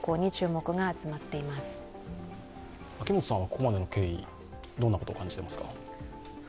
ここまでの経緯、どんなことを感じていますか？